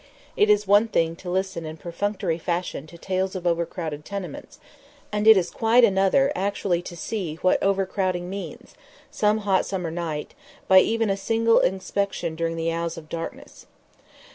It is one thing to listen in perfunctory fashion to tales of overcrowded tenements, and it is quite another actually to see what that overcrowding means, some hot summer night, by even a single inspection during the hours of darkness.